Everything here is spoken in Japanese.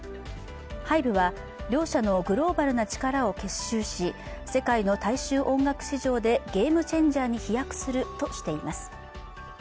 ＨＹＢＥは両社のグローバルな力を結集し世界の大衆音楽市場でゲームチェンジャーに飛躍するとしています。